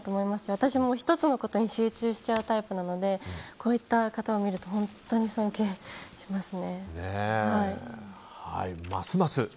私も１つのことに集中しちゃうタイプなのでこういった方を見ると本当に尊敬しますね。